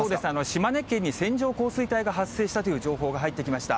島根県に線状降水帯が発生したという情報が入ってきました。